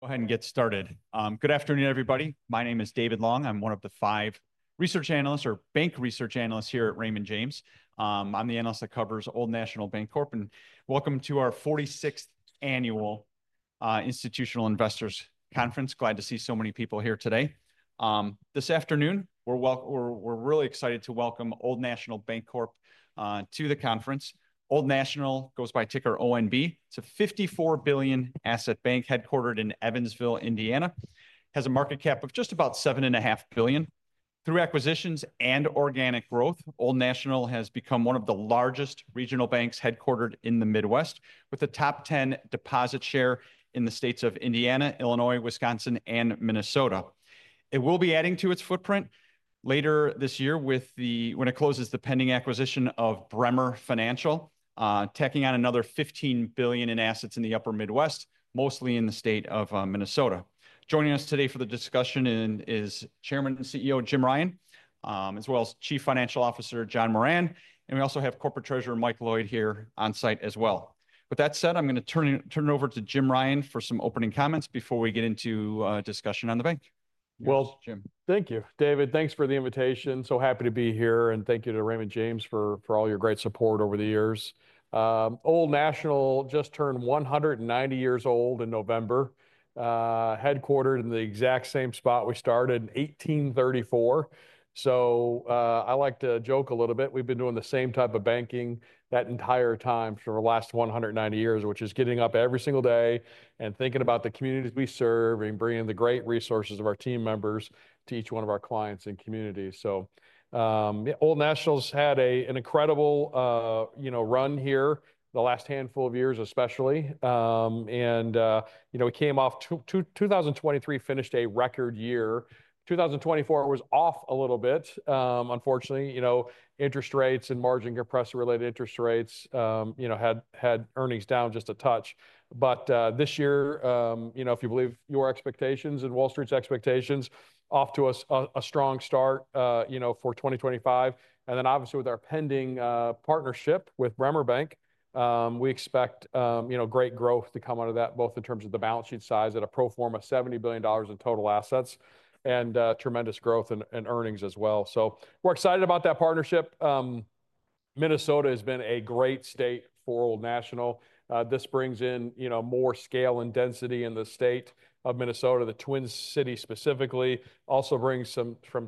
Go ahead and get started. Good afternoon, everybody. My name is David Long. I'm one of the five research analysts or bank research analysts here at Raymond James. I'm the analyst that covers Old National Bancorp, and welcome to our 46th Annual Institutional Investors Conference. Glad to see so many people here today. This afternoon, we're really excited to welcome Old National Bancorp to the conference. Old National goes by ticker ONB. It's a $54 billion asset bank headquartered in Evansville, Indiana. It has a market cap of just about $7.5 billion. Through acquisitions and organic growth, Old National has become one of the largest regional banks headquartered in the Midwest, with a top 10 deposit share in the states of Indiana, Illinois, Wisconsin, and Minnesota. It will be adding to its footprint later this year when it closes the pending acquisition of Bremer Financial, tacking on another $15 billion in assets in the Upper Midwest, mostly in the state of Minnesota. Joining us today for the discussion is Chairman and CEO Jim Ryan, as well as Chief Financial Officer John Moran. And we also have Corporate Treasurer Mike Loyd here on site as well. With that said, I'm going to turn it over to Jim Ryan for some opening comments before we get into discussion on the bank. Well, thank you, David. Thanks for the invitation. So happy to be here. And thank you to Raymond James for all your great support over the years. Old National just turned 190 years old in November, headquartered in the exact same spot we started in 1834. So I like to joke a little bit. We've been doing the same type of banking that entire time for the last 190 years, which is getting up every single day and thinking about the communities we serve and bringing the great resources of our team members to each one of our clients and communities. So Old National's had an incredible run here, the last handful of years especially. And we came off 2023, finished a record year. 2024 was off a little bit, unfortunately. Interest rates and margin compression-related interest rates had earnings down just a touch. But this year, if you believe your expectations and Wall Street's expectations, off to a strong start for 2025. And then obviously with our pending partnership with Bremer Bank, we expect great growth to come out of that, both in terms of the balance sheet size at a pro forma $70 billion in total assets and tremendous growth in earnings as well. So we're excited about that partnership. Minnesota has been a great state for Old National. This brings in more scale and density in the state of Minnesota. The Twin Cities specifically also brings some from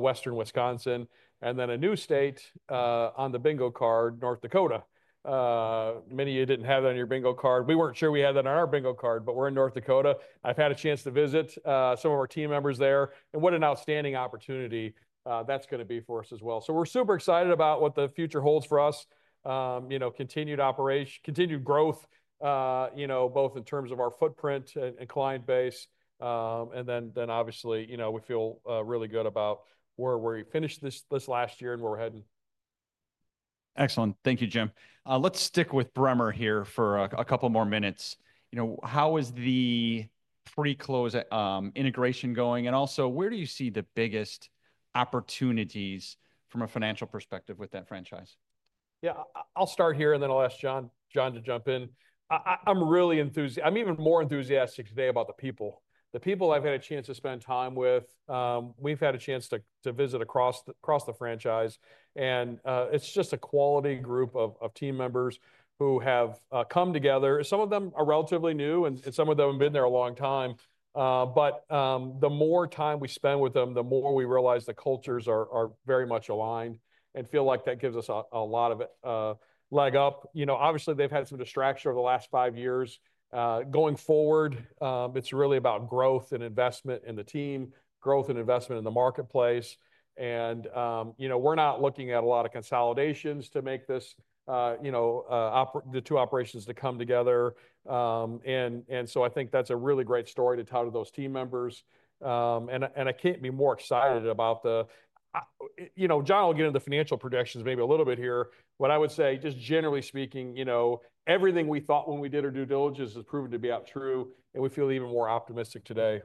Western Wisconsin. And then a new state on the bingo card, North Dakota. Many of you didn't have that on your bingo card. We weren't sure we had that on our bingo card, but we're in North Dakota. I've had a chance to visit some of our team members there. And what an outstanding opportunity that's going to be for us as well. So we're super excited about what the future holds for us, continued growth, both in terms of our footprint and client base. And then obviously, we feel really good about where we finished this last year and where we're headed. Excellent. Thank you, Jim. Let's stick with Bremer here for a couple more minutes. How is the pre-close integration going? And also, where do you see the biggest opportunities from a financial perspective with that franchise? Yeah, I'll start here and then I'll ask John to jump in. I'm even more enthusiastic today about the people. The people I've had a chance to spend time with, we've had a chance to visit across the franchise. And it's just a quality group of team members who have come together. Some of them are relatively new and some of them have been there a long time. But the more time we spend with them, the more we realize the cultures are very much aligned and feel like that gives us a lot of leg up. Obviously, they've had some distractions over the last five years. Going forward, it's really about growth and investment in the team, growth and investment in the marketplace. And we're not looking at a lot of consolidations to make the two operations come together. And so I think that's a really great story to tell to those team members. And I can't be more excited about the, John, I'll get into financial projections maybe a little bit here. What I would say, just generally speaking, everything we thought when we did our due diligence has proven to be true. And we feel even more optimistic today.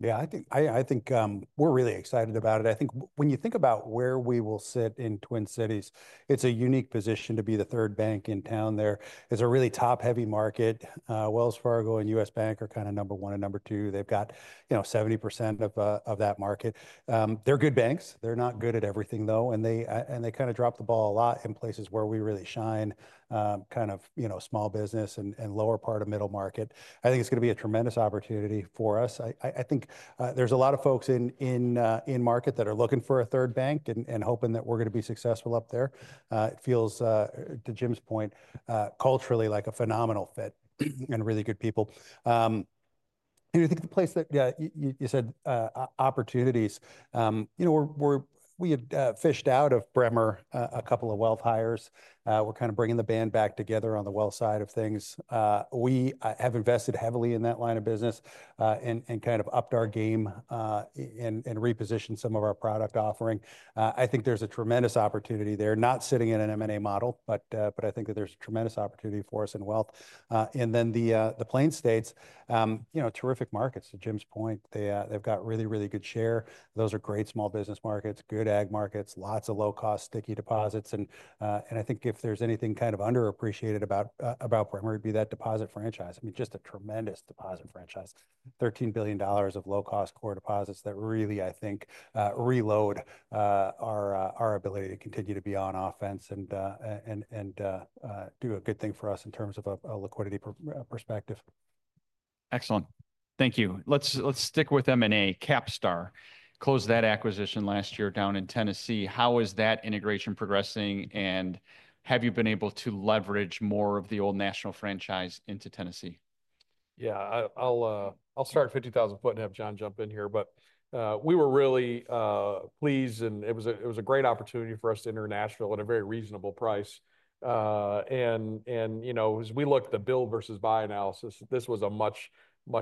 Yeah, I think we're really excited about it. I think when you think about where we will sit in Twin Cities, it's a unique position to be the third bank in town there. It's a really top-heavy market. Wells Fargo and U.S. Bank are kind of number one and number two. They've got 70% of that market. They're good banks. They're not good at everything, though, and they kind of drop the ball a lot in places where we really shine, kind of small business and lower part of middle market. I think it's going to be a tremendous opportunity for us. I think there's a lot of folks in market that are looking for a third bank and hoping that we're going to be successful up there. It feels, to Jim's point, culturally like a phenomenal fit and really good people. And I think the place that you said opportunities, we had fished out of Bremer a couple of wealth hires. We're kind of bringing the band back together on the wealth side of things. We have invested heavily in that line of business and kind of upped our game and repositioned some of our product offering. I think there's a tremendous opportunity there, not sitting in an M&A model, but I think that there's a tremendous opportunity for us in wealth. And then the Plains states, terrific markets, to Jim's point. They've got really, really good share. Those are great small business markets, good ag markets, lots of low-cost sticky deposits. And I think if there's anything kind of underappreciated about Bremer, it'd be that deposit franchise. I mean, just a tremendous deposit franchise, $13 billion of low-cost core deposits that really, I think, reload our ability to continue to be on offense and do a good thing for us in terms of a liquidity perspective. Excellent. Thank you. Let's stick with M&A, CapStar. Closed that acquisition last year down in Tennessee. How is that integration progressing? And have you been able to leverage more of the Old National franchise into Tennessee? Yeah, I'll start at 50,000-foot and have John jump in here, but we were really pleased, and it was a great opportunity for us to enter Nashville at a very reasonable price, and as we looked at the build versus buy analysis, this was a much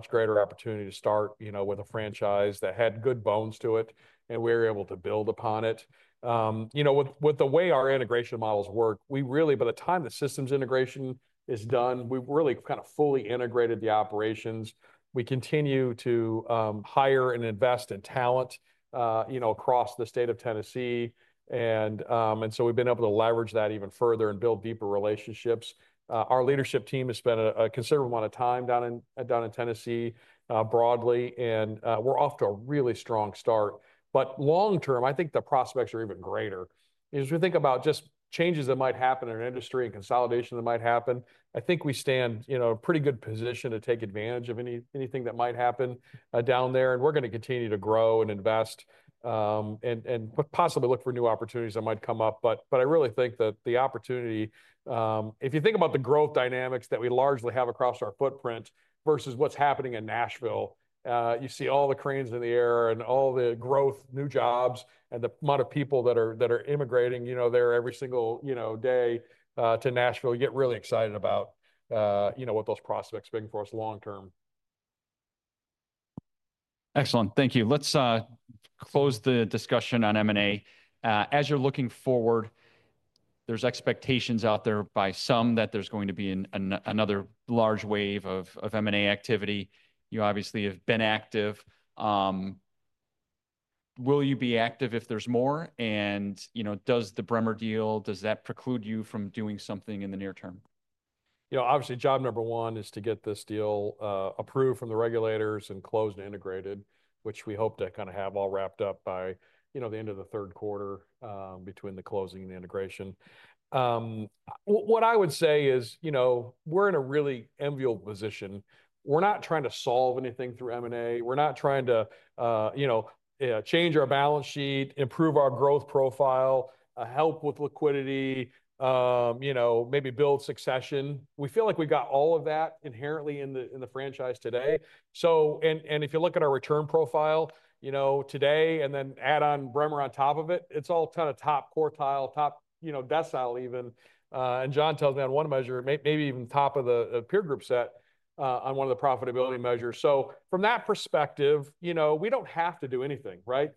greater opportunity to start with a franchise that had good bones to it, and we were able to build upon it. With the way our integration models work, we really, by the time the systems integration is done, we've really kind of fully integrated the operations. We continue to hire and invest in talent across the state of Tennessee, and so we've been able to leverage that even further and build deeper relationships. Our leadership team has spent a considerable amount of time down in Tennessee broadly, and we're off to a really strong start. But long term, I think the prospects are even greater. As we think about just changes that might happen in an industry and consolidation that might happen, I think we stand in a pretty good position to take advantage of anything that might happen down there. And we're going to continue to grow and invest and possibly look for new opportunities that might come up. But I really think that the opportunity, if you think about the growth dynamics that we largely have across our footprint versus what's happening in Nashville, you see all the cranes in the air and all the growth, new jobs, and the amount of people that are immigrating there every single day to Nashville, you get really excited about what those prospects bring for us long term. Excellent. Thank you. Let's close the discussion on M&A. As you're looking forward, there's expectations out there by some that there's going to be another large wave of M&A activity. You obviously have been active. Will you be active if there's more? And does the Bremer deal, does that preclude you from doing something in the near term? Obviously, job number one is to get this deal approved from the regulators and closed and integrated, which we hope to kind of have all wrapped up by the end of the third quarter between the closing and the integration. What I would say is we're in a really enviable position. We're not trying to solve anything through M&A. We're not trying to change our balance sheet, improve our growth profile, help with liquidity, maybe build succession. We feel like we've got all of that inherently in the franchise today, and if you look at our return profile today and then add on Bremer on top of it, it's all kind of top quartile, top decile even, and John tells me on one measure, maybe even top of the peer group set on one of the profitability measures, so from that perspective, we don't have to do anything, right?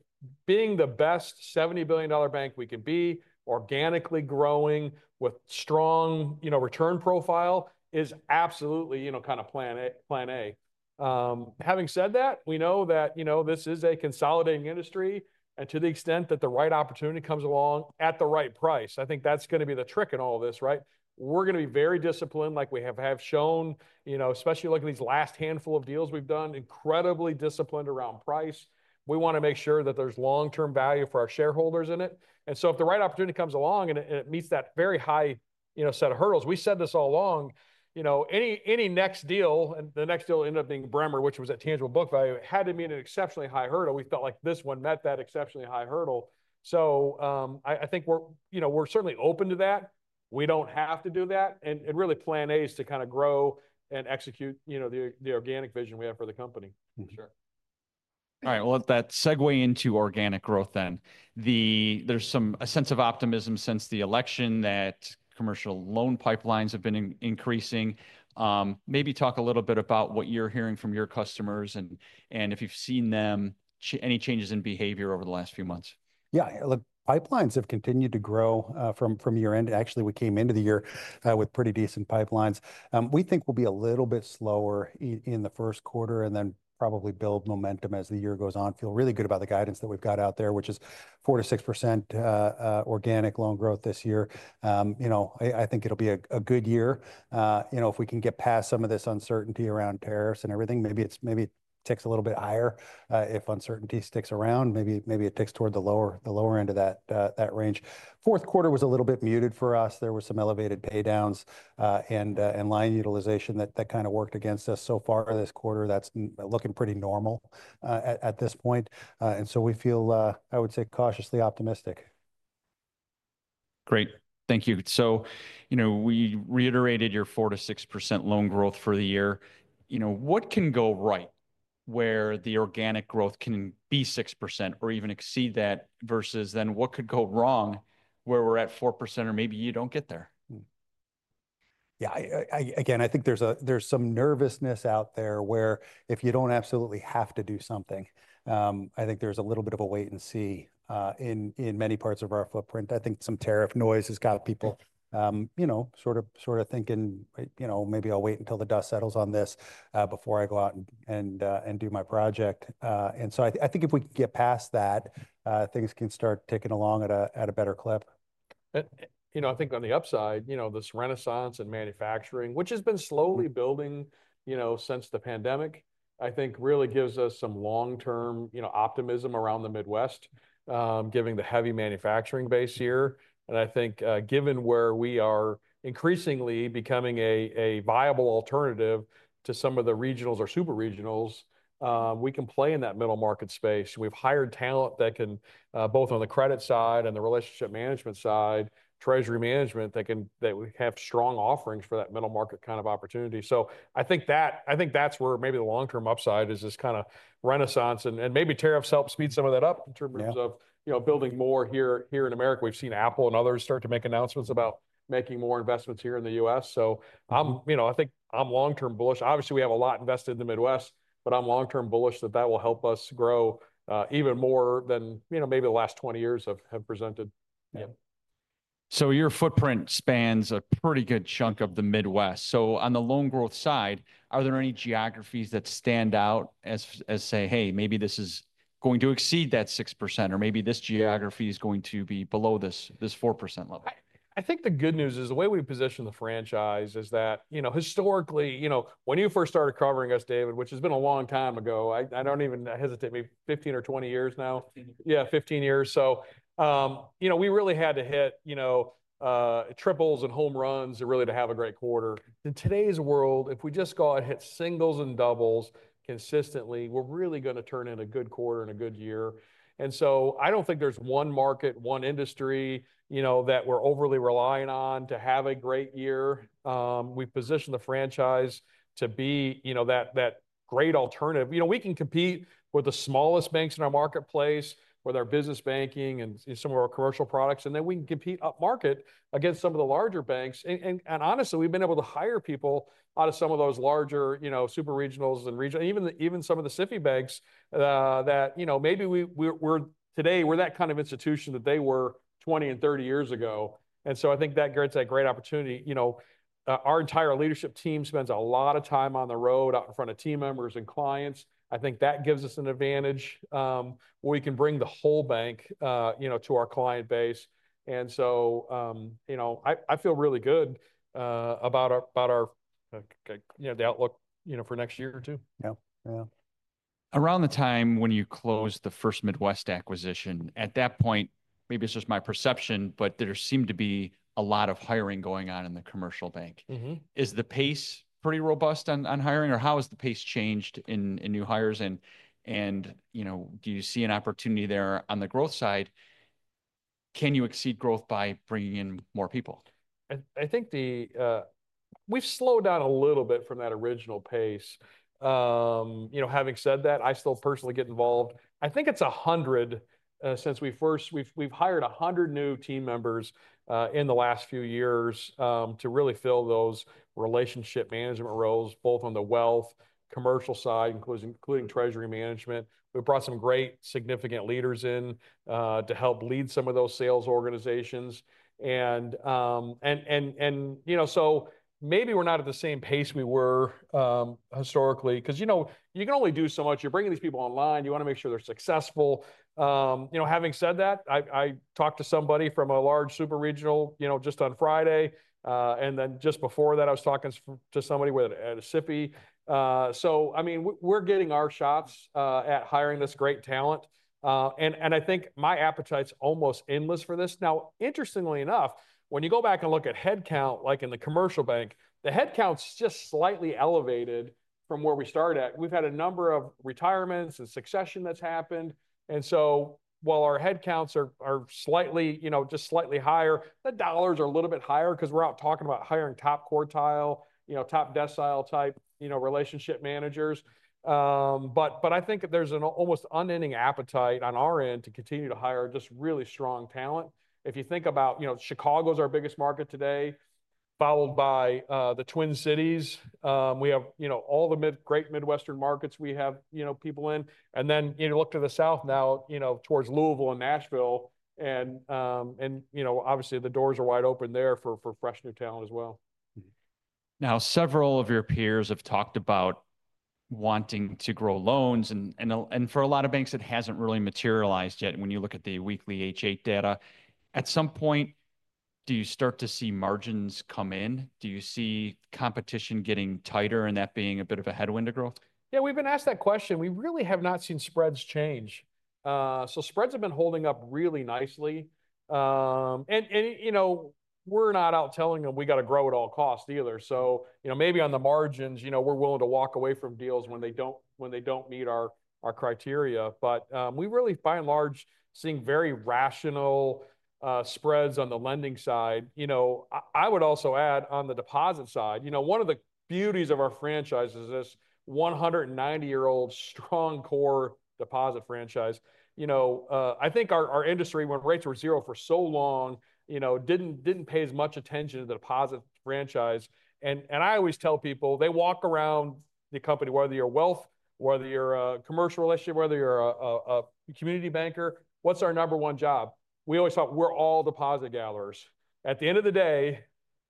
Being the best $70 billion bank we can be, organically growing with strong return profile is absolutely kind of plan A. Having said that, we know that this is a consolidating industry, and to the extent that the right opportunity comes along at the right price, I think that's going to be the trick in all of this, right? We're going to be very disciplined, like we have shown, especially looking at these last handful of deals we've done, incredibly disciplined around price. We want to make sure that there's long-term value for our shareholders in it, and so if the right opportunity comes along and it meets that very high set of hurdles, we said this all along, any next deal, and the next deal ended up being Bremer, which was at tangible book value, had to meet an exceptionally high hurdle. We felt like this one met that exceptionally high hurdle. So I think we're certainly open to that. We don't have to do that, and really plan A is to kind of grow and execute the organic vision we have for the company for sure. All right. Well, that segue into organic growth then. There's a sense of optimism since the election that commercial loan pipelines have been increasing. Maybe talk a little bit about what you're hearing from your customers and if you've seen any changes in behavior over the last few months. Yeah, look, pipelines have continued to grow from year end. Actually, we came into the year with pretty decent pipelines. We think we'll be a little bit slower in the first quarter and then probably build momentum as the year goes on. Feel really good about the guidance that we've got out there, which is 4%-6% organic loan growth this year. I think it'll be a good year. If we can get past some of this uncertainty around tariffs and everything, maybe it takes a little bit higher if uncertainty sticks around. Maybe it takes toward the lower end of that range. Fourth quarter was a little bit muted for us. There were some elevated paydowns and line utilization that kind of worked against us so far this quarter. That's looking pretty normal at this point, and so we feel, I would say, cautiously optimistic. Great. Thank you. So we reiterated your 4%-6% loan growth for the year. What can go right where the organic growth can be 6% or even exceed that versus then what could go wrong where we're at 4% or maybe you don't get there? Yeah, again, I think there's some nervousness out there where if you don't absolutely have to do something, I think there's a little bit of a wait and see in many parts of our footprint. I think some tariff noise has got people sort of thinking, maybe I'll wait until the dust settles on this before I go out and do my project, and so I think if we can get past that, things can start ticking along at a better clip. I think on the upside, this renaissance in manufacturing, which has been slowly building since the pandemic, I think really gives us some long-term optimism around the Midwest, giving the heavy manufacturing base here, and I think given where we are increasingly becoming a viable alternative to some of the regionals or super regionals, we can play in that middle market space. We've hired talent that can both on the credit side and the relationship management side, treasury management that can have strong offerings for that middle market kind of opportunity, so I think that's where maybe the long-term upside is this kind of renaissance. And maybe tariffs help speed some of that up in terms of building more here in America. We've seen Apple and others start to make announcements about making more investments here in the U.S., so I think I'm long-term bullish. Obviously, we have a lot invested in the Midwest, but I'm long-term bullish that that will help us grow even more than maybe the last 20 years have presented. Yeah. So your footprint spans a pretty good chunk of the Midwest. So on the loan growth side, are there any geographies that stand out as say, hey, maybe this is going to exceed that 6% or maybe this geography is going to be below this 4% level? I think the good news is the way we position the franchise is that historically, when you first started covering us, David, which has been a long time ago, I don't even hesitate, maybe 15 or 20 years now. Yeah, 15 years. So we really had to hit triples and home runs really to have a great quarter. In today's world, if we just go out and hit singles and doubles consistently, we're really going to turn in a good quarter and a good year. And so I don't think there's one market, one industry that we're overly relying on to have a great year. We position the franchise to be that great alternative. We can compete with the smallest banks in our marketplace, with our business banking and some of our commercial products. And then we can compete up market against some of the larger banks. And honestly, we've been able to hire people out of some of those larger super regionals and regional, even some of the SIFI banks that maybe today we're that kind of institution that they were 20 and 30 years ago. And so I think that grants a great opportunity. Our entire leadership team spends a lot of time on the road out in front of team members and clients. I think that gives us an advantage where we can bring the whole bank to our client base. And so I feel really good about the outlook for next year or two. Yeah. Yeah. Around the time when you closed the First Midwest acquisition, at that point, maybe it's just my perception, but there seemed to be a lot of hiring going on in the commercial bank. Is the pace pretty robust on hiring? Or how has the pace changed in new hires? And do you see an opportunity there on the growth side? Can you exceed growth by bringing in more people? I think we've slowed down a little bit from that original pace. Having said that, I still personally get involved. I think it's 100 since we've hired 100 new team members in the last few years to really fill those relationship management roles, both on the wealth commercial side, including treasury management. We brought some great significant leaders in to help lead some of those sales organizations. And so maybe we're not at the same pace we were historically because you can only do so much. You're bringing these people online. You want to make sure they're successful. Having said that, I talked to somebody from a large super regional just on Friday. And then just before that, I was talking to somebody at a SIFI. So I mean, we're getting our shots at hiring this great talent. And I think my appetite's almost endless for this. Now, interestingly enough, when you go back and look at headcount, like in the commercial bank, the headcount's just slightly elevated from where we started at. We've had a number of retirements and succession that's happened. And so while our headcounts are just slightly higher, the dollars are a little bit higher because we're out talking about hiring top quartile, top decile type relationship managers. But I think there's an almost unending appetite on our end to continue to hire just really strong talent. If you think about Chicago's our biggest market today, followed by the Twin Cities. We have all the great Midwestern markets we have people in. And then you look to the south now towards Louisville and Nashville. And obviously, the doors are wide open there for fresh new talent as well. Now, several of your peers have talked about wanting to grow loans. And for a lot of banks, it hasn't really materialized yet when you look at the weekly H.8 data. At some point, do you start to see margins come in? Do you see competition getting tighter and that being a bit of a headwind to growth? Yeah, we've been asked that question. We really have not seen spreads change. So spreads have been holding up really nicely, and we're not out telling them we got to grow at all costs either. So maybe on the margins, we're willing to walk away from deals when they don't meet our criteria, but we really, by and large, seeing very rational spreads on the lending side. I would also add on the deposit side, one of the beauties of our franchise is this 190-year-old strong core deposit franchise. I think our industry, when rates were zero for so long, didn't pay as much attention to the deposit franchise, and I always tell people, they walk around the company, whether you're wealth, whether you're a commercial relationship, whether you're a community banker, what's our number one job? We always thought we're all deposit gatherers. At the end of the day,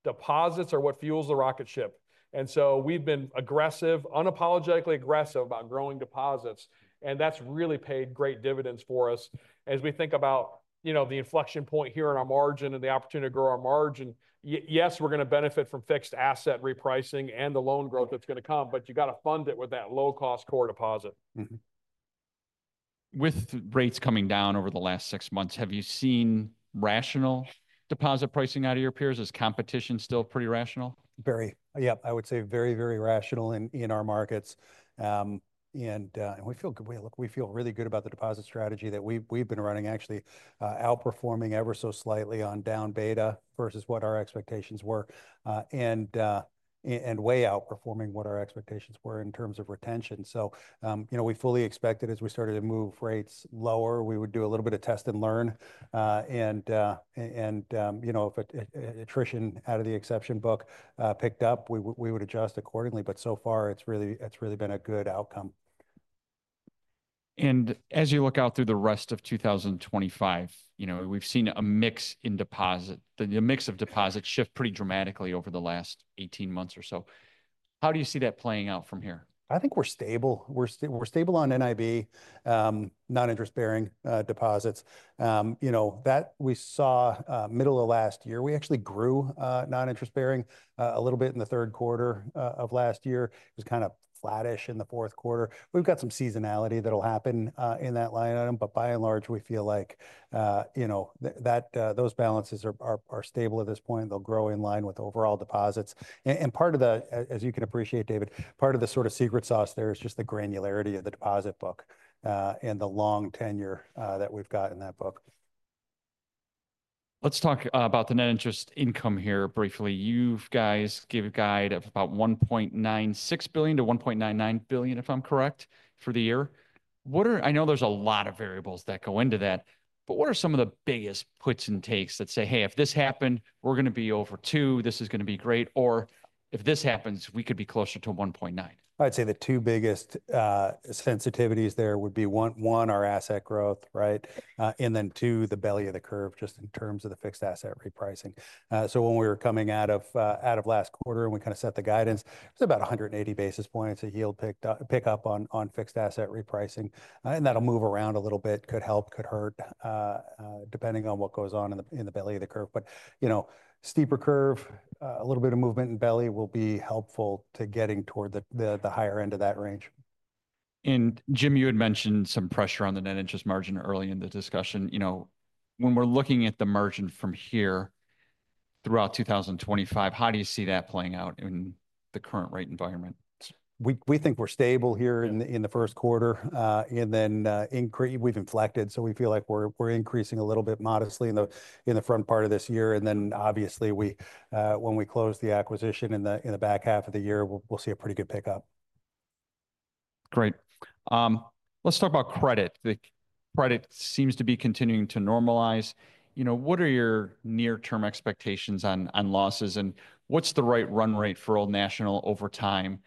deposits are what fuels the rocket ship, and so we've been aggressive, unapologetically aggressive about growing deposits, and that's really paid great dividends for us. As we think about the inflection point here in our margin and the opportunity to grow our margin, yes, we're going to benefit from fixed asset repricing and the loan growth that's going to come, but you got to fund it with that low-cost core deposit. With rates coming down over the last six months, have you seen rational deposit pricing out of your peers? Is competition still pretty rational? Very. Yeah, I would say very, very rational in our markets, and we feel really good about the deposit strategy that we've been running, actually outperforming ever so slightly on down beta versus what our expectations were and way outperforming what our expectations were in terms of retention, so we fully expected as we started to move rates lower, we would do a little bit of test and learn, and if attrition out of the exception book picked up, we would adjust accordingly, but so far, it's really been a good outcome. As you look out through the rest of 2025, we've seen a mix in deposit, the mix of deposits shift pretty dramatically over the last 18 months or so. How do you see that playing out from here? I think we're stable. We're stable on NIB, non-interest bearing deposits. That we saw middle of last year, we actually grew non-interest-bearing a little bit in the third quarter of last year. It was kind of flattish in the fourth quarter. We've got some seasonality that'll happen in that line item. But by and large, we feel like those balances are stable at this point. They'll grow in line with overall deposits, and part of the, as you can appreciate, David, part of the sort of secret sauce there is just the granularity of the deposit book and the long tenure that we've got in that book. Let's talk about the net interest income here briefly. You guys give a guide of about $1.96 billion-$1.99 billion, if I'm correct, for the year. I know there's a lot of variables that go into that. But what are some of the biggest puts and takes that say, hey, if this happened, we're going to be over $2 billion, this is going to be great, or if this happens, we could be closer to $1.9 billion? I'd say the two biggest sensitivities there would be one, our asset growth, right? And then two, the belly of the curve just in terms of the fixed asset repricing. So when we were coming out of last quarter and we kind of set the guidance, it was about 180 basis points a yield pickup on fixed asset repricing. And that'll move around a little bit, could help, could hurt depending on what goes on in the belly of the curve. But steeper curve, a little bit of movement in belly will be helpful to getting toward the higher end of that range. Jim, you had mentioned some pressure on the net interest margin early in the discussion. When we're looking at the margin from here throughout 2025, how do you see that playing out in the current rate environment? We think we're stable here in the first quarter, and then we've inflected, so we feel like we're increasing a little bit modestly in the front part of this year, and then obviously, when we close the acquisition in the back half of the year, we'll see a pretty good pickup. Great. Let's talk about credit. Credit seems to be continuing to normalize. What are your near-term expectations on losses? And what's the right run rate for Old National over time?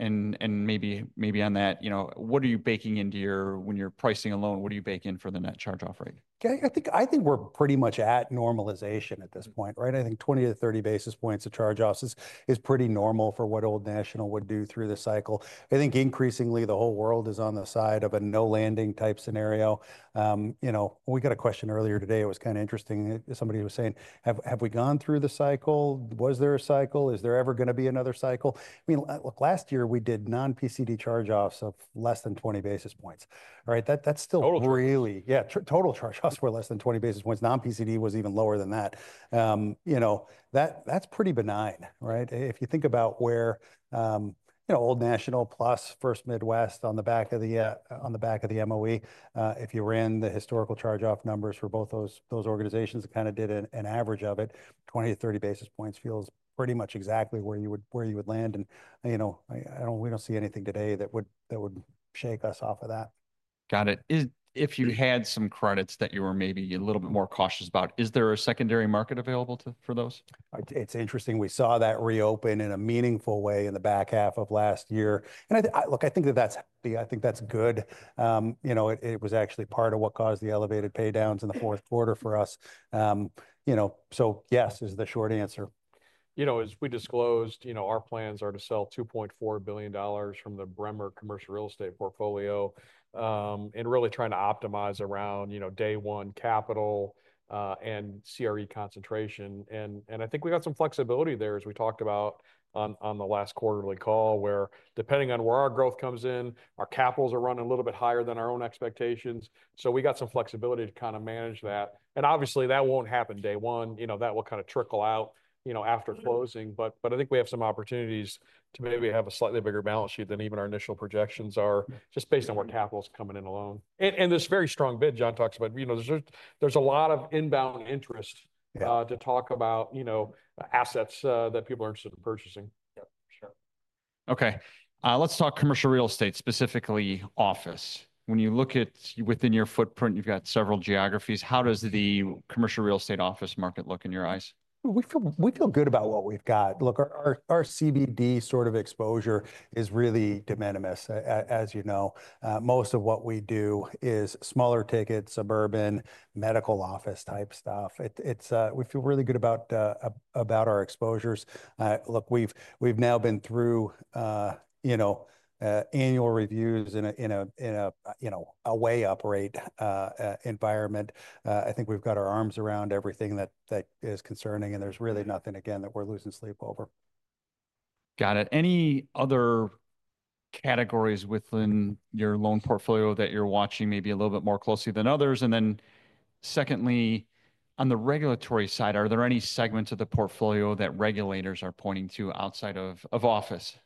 And maybe on that, what are you baking into your, when you're pricing a loan, what are you baking in for the net charge-off rate? I think we're pretty much at normalization at this point, right? I think 20-30 basis points of charge-offs is pretty normal for what Old National would do through the cycle. I think increasingly the whole world is on the side of a no landing type scenario. We got a question earlier today. It was kind of interesting. Somebody was saying, have we gone through the cycle? Was there a cycle? Is there ever going to be another cycle? I mean, look, last year we did non-PCD charge-offs of less than 20 basis points. That's still really, yeah, total charge-offs were less than 20 basis points. Non-PCD was even lower than that. That's pretty benign, right? If you think about where Old National plus First Midwest on the back of the MOE, if you ran the historical charge-off numbers for both those organizations, it kind of did an average of it, 20-30 basis points feels pretty much exactly where you would land. And we don't see anything today that would shake us off of that. Got it. If you had some credits that you were maybe a little bit more cautious about, is there a secondary market available for those? It's interesting. We saw that reopen in a meaningful way in the back half of last year. And look, I think that that's good. It was actually part of what caused the elevated paydowns in the fourth quarter for us. So yes is the short answer. You know. As we disclosed, our plans are to sell $2.4 billion from the Bremer commercial real estate portfolio and really trying to optimize around day one capital and CRE concentration. And I think we got some flexibility there as we talked about on the last quarterly call where depending on where our growth comes in, our capitals are running a little bit higher than our own expectations. So we got some flexibility to kind of manage that. And obviously, that won't happen day one. That will kind of trickle out after closing. But I think we have some opportunities to maybe have a slightly bigger balance sheet than even our initial projections are just based on where capital's coming in alone. And this very strong bid John talks about, there's a lot of inbound interest to talk about assets that people are interested in purchasing. Yeah, sure. Okay. Let's talk commercial real estate, specifically office. When you look at within your footprint, you've got several geographies. How does the commercial real estate office market look in your eyes? We feel good about what we've got. Look, our CBD sort of exposure is really de minimis, as you know. Most of what we do is smaller tickets, suburban, medical office type stuff. We feel really good about our exposures. Look, we've now been through annual reviews in a higher-rate environment. I think we've got our arms around everything that is concerning, and there's really nothing, again, that we're losing sleep over. Got it. Any other categories within your loan portfolio that you're watching maybe a little bit more closely than others? And then secondly, on the regulatory side, are there any segments of the portfolio that regulators are pointing to outside of office?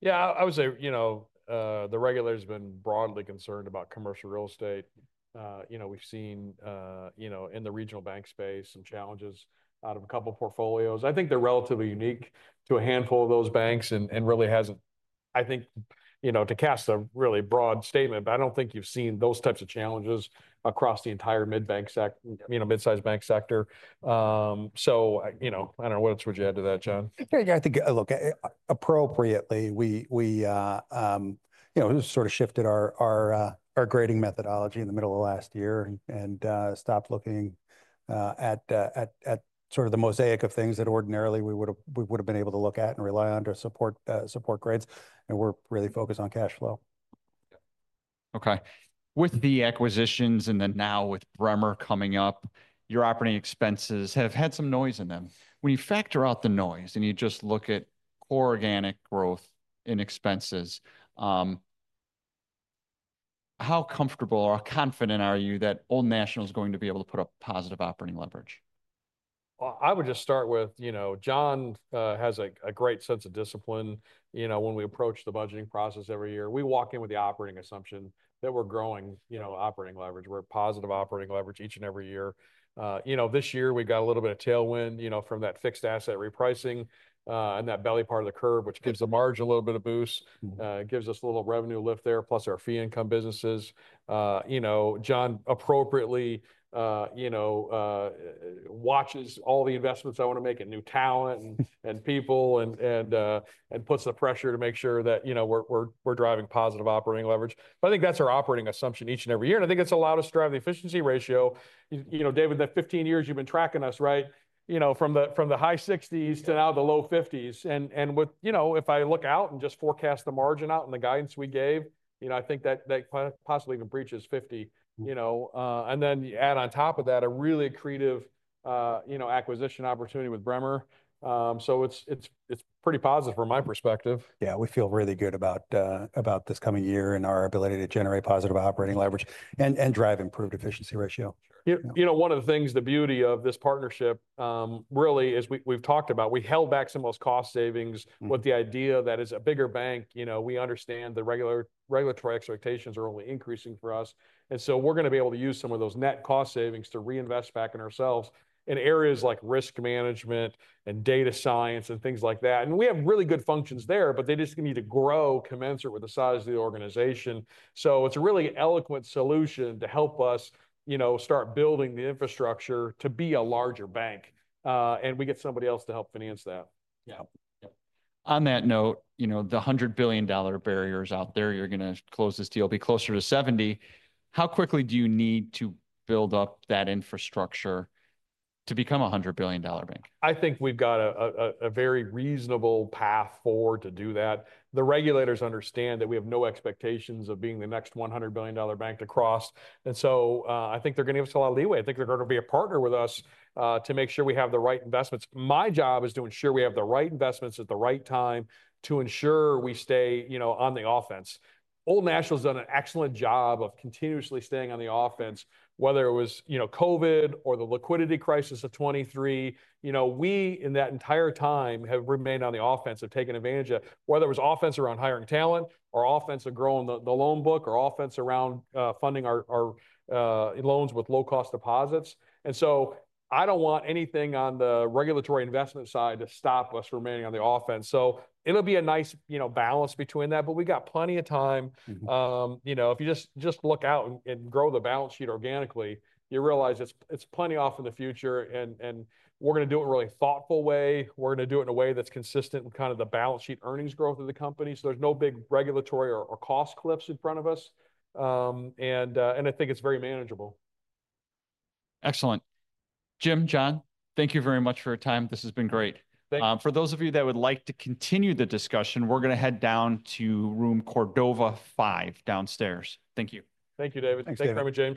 Yeah, I would say the regulator has been broadly concerned about commercial real estate. We've seen in the regional bank space some challenges out of a couple of portfolios. I think they're relatively unique to a handful of those banks and really hasn't, I think, to cast a really broad statement, but I don't think you've seen those types of challenges across the entire mid-size bank sector. So I don't know what would you add to that, John? I think, look, appropriately, we sort of shifted our grading methodology in the middle of last year and stopped looking at sort of the mosaic of things that ordinarily we would have been able to look at and rely on to support grades, and we're really focused on cash flow. Okay. With the acquisitions and then now with Bremer coming up, your operating expenses have had some noise in them. When you factor out the noise and you just look at core organic growth and expenses, how comfortable or how confident are you that Old National is going to be able to put up positive operating leverage? I would just start with John has a great sense of discipline. When we approach the budgeting process every year, we walk in with the operating assumption that we're growing operating leverage. We're at positive operating leverage each and every year. This year, we got a little bit of tailwind from that fixed asset repricing and that belly part of the curve, which gives the margin a little bit of boost. It gives us a little revenue lift there, plus our fee income businesses. John appropriately watches all the investments I want to make in new talent and people and puts the pressure to make sure that we're driving positive operating leverage. I think that's our operating assumption each and every year. I think it's allowed us to drive the efficiency ratio. David, that's 15 years you've been tracking us, right? From the high 60s% to now the low 50s%. And if I look out and just forecast the margin out and the guidance we gave, I think that possibly even breaches 50%. And then add on top of that a really accretive acquisition opportunity with Bremer. So it's pretty positive from my perspective. Yeah, we feel really good about this coming year and our ability to generate positive operating leverage and drive improved efficiency ratio. One of the things, the beauty of this partnership really is we've talked about, we held back some of those cost savings with the idea that as a bigger bank, we understand the regulatory expectations are only increasing for us. And so we're going to be able to use some of those net cost savings to reinvest back in ourselves in areas like risk management and data science and things like that. And we have really good functions there, but they just need to grow commensurate with the size of the organization. So it's a really eloquent solution to help us start building the infrastructure to be a larger bank. And we get somebody else to help finance that. Yeah. On that note, the $100 billion barrier is out there. You're going to close this deal, be closer to $70 billion. How quickly do you need to build up that infrastructure to become a $100 billion bank? I think we've got a very reasonable path forward to do that. The regulators understand that we have no expectations of being the next $100 billion bank to cross, and so I think they're going to give us a lot of leeway. I think they're going to be a partner with us to make sure we have the right investments. My job is to ensure we have the right investments at the right time to ensure we stay on the offense. Old National has done an excellent job of continuously staying on the offense, whether it was COVID or the liquidity crisis of 2023. We, in that entire time, have remained on the offense, have taken advantage of whether it was offense around hiring talent or offense of growing the loan book or offense around funding our loans with low-cost deposits. And so I don't want anything on the regulatory investment side to stop us remaining on the offense. So it'll be a nice balance between that, but we've got plenty of time. If you just look out and grow the balance sheet organically, you realize it's plenty off in the future. And we're going to do it in a really thoughtful way. We're going to do it in a way that's consistent with kind of the balance sheet earnings growth of the company. So there's no big regulatory or cost cliffs in front of us. And I think it's very manageable. Excellent. Jim, John, thank you very much for your time. This has been great. Thank you. For those of you that would like to continue the discussion, we're going to head down to room Cordova 5 downstairs. Thank you. Thank you, David. Thanks for having me here.